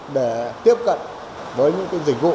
để tiếp cận với những cái dịch vụ